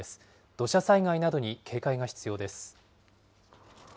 土砂災害などに警戒が必要です。